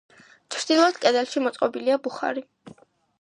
ჩრდილოეთ კედელში მოწყობილია ბუხარი.